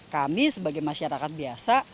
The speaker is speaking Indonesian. kami sebagai masyarakat biasa